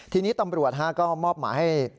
ทีนี้ตำรวจก็มอบหมายให้